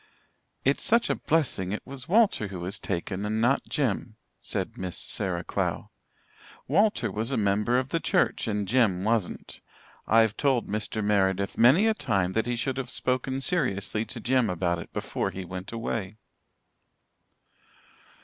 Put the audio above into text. "It's such a blessing it was Walter who was taken and not Jem," said Miss Sarah Clow. "Walter was a member of the church, and Jem wasn't. I've told Mr. Meredith many a time that he should have spoken seriously to Jem about it before he went away."